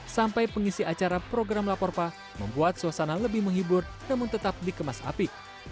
sampai pengisi acara program laporpa membuat suasana lebih menghibur namun tetap dikemas api